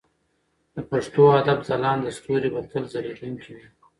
د پښتو ادب ځلانده ستوري به تل ځلېدونکي وي.